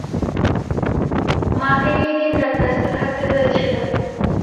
মাকে নিয়ে দিনরাত ব্যস্ত থাকতে হয়েছিল।